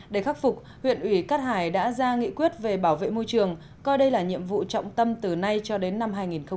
để khắc phục huyện ủy cát hải đã ra nghị quyết về bảo vệ môi trường coi đây là nhiệm vụ trọng tâm từ nay cho đến năm hai nghìn hai mươi